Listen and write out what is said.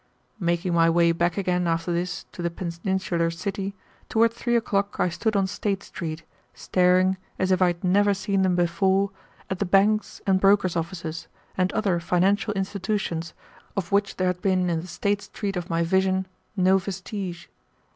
Making my way back again after this to the peninsular city, toward three o'clock I stood on State Street, staring, as if I had never seen them before, at the banks and brokers' offices, and other financial institutions, of which there had been in the State Street of my vision no vestige.